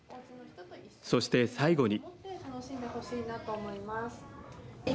そして最後に。